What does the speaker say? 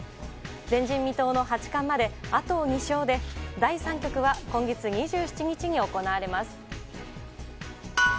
前人未到の八冠まであと２勝で、第３局は今月２７日に行われます。